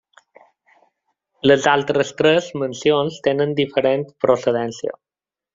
Les altres tres mencions tenen diferent procedència.